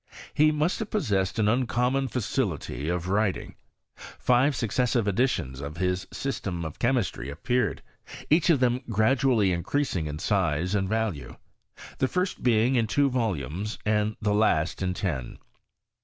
He muit have possessed an uncommon facility of wrttia^. Five successive editions of his System of Cbemisti; appeared, each of them gradually increasing in siae and value : the first being in two volumes and th« last in ten.